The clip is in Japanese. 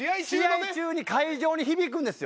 試合中に会場に響くんですよ。